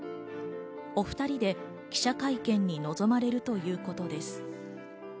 お２人で記者会見に臨まれるということです。